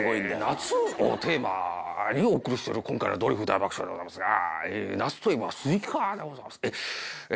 夏をテーマにお送りしてる今回の「ドリフ大爆笑」でございますが夏といえばスイカでございますねえ